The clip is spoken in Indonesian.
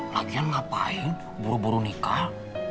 latihan ngapain buru buru nikah